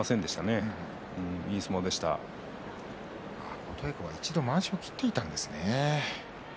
琴恵光は一度まわしを切っていたんですね。